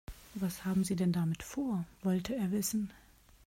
Was haben Sie denn damit vor?, wollte er wissen.